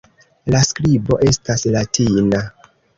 La skribo estas latina.